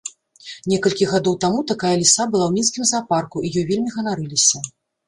Некалькі гадоў таму такая ліса была ў мінскім заапарку і ёй вельмі ганарыліся.